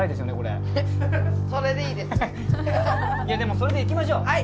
いやでもそれでいきましょう！